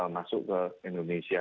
masuk ke indonesia